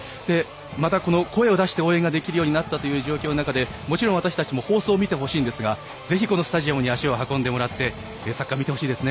また、声を出して応援できるようになった状況の中でもちろん、私たちも放送を見てほしいんですがぜひ、スタジアムに足を運んでもらってサッカーを見てもらいたいですね。